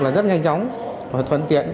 rất là nhanh chóng và thuận tiện